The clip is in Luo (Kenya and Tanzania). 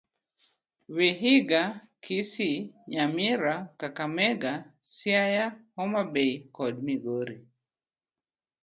Vihiga, Kisii, Nyamira, Kakamega, Siaya, Homabay kod Migori.